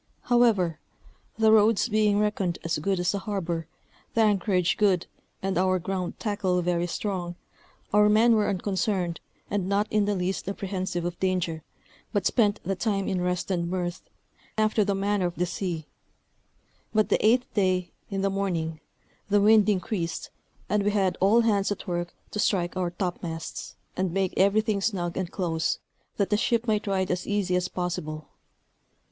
However, the Roads being reckoned as good as a harbor, the anchorage good, and our ground tackle very strong, our men were unconcerned, and not in the least apprehensive of danger, but spent the time in rest and mirth, after the manner of the sea; but the eighth day, in the morning, the wind increased, and we had all hands at work to strike our topmasts, and make everything snug and close, that the ship might ride as easy as possible.